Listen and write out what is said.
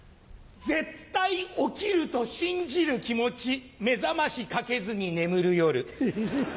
絶対起きると信じる気持ち目覚ましかけずに眠る夜。